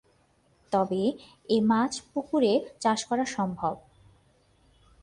তবে এ মাছ পুকুরে চাষ করা সম্ভব।